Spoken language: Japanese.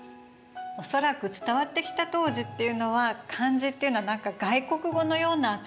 恐らく伝わってきた当時っていうのは漢字っていうのは何か外国語のような扱いだったんでしょうかね。